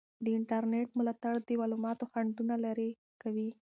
د انټرنیټ ملاتړ د معلوماتو خنډونه لرې کوي.